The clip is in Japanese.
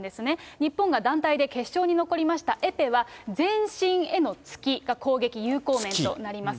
日本が団体で決勝に残りましたエペは、全身への突きが攻撃有効面となります。